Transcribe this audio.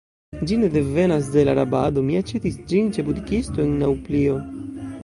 Ĝi ne devenas de la rabado; mi aĉetis ĝin ĉe butikisto, en Naŭplio.